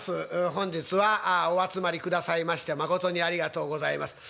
本日はお集まりくださいましてまことにありがとうございます。